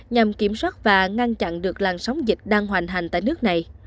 nhằm kiểm soát và ngăn chặn được làn sóng dịch đang hoành hành tại nước này